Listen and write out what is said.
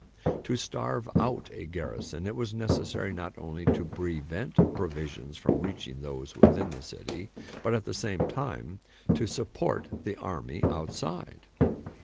To starve out a garrison it was necessary not only to prevent provisions from reaching those within the city, but at the same time to support the army outside.